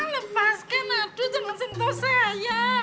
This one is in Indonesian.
lepaskan aduh jangan sentuh saya